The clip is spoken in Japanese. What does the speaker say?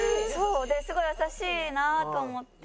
すごい優しいなと思って。